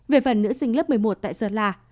về phần nữ sinh lớp một mươi một tại sơn la